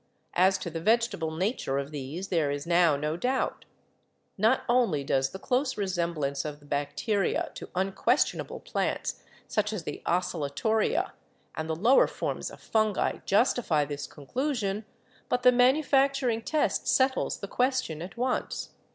As to the vegetable nature of these, there is now no doubt. Not only does the close resemblance of the 'Bacteria' to unquestionable plants, such as the 'Oscillartoria' and the lower forms of 'Fungi,' justify this conclusion, but the manufacturing test settles the question at once.